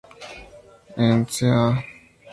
En cca.